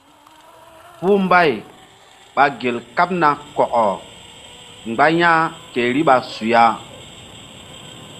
Puh mbay ɓa gel kaɓ na kɔkɔ mgba ya̧h ke riɓa suya.